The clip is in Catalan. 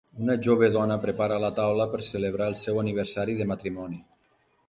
Una jove dona prepara la taula per celebrar el seu aniversari de matrimoni.